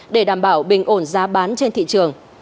để đảm bảo bình ổn giá bán trên thị trường